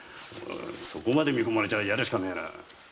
そこまで見込まれちゃあやるしかねえな。